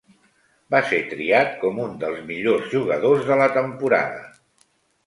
Va ser triat com un dels millors jugadors de la temporada.